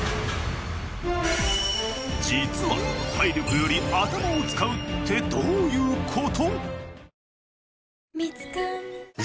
実は体力より頭を使うってどういう事？